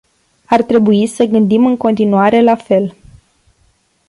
Ar trebui să gândim în continuare la fel.